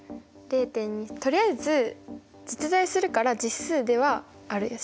とりあえず実在するから実数ではあるでしょ。